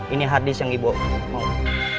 ini harddisk yang ibu mau